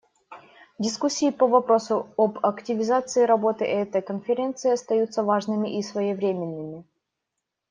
Дискуссии по вопросу об активизации работы этой Конференции остаются важными и своевременными.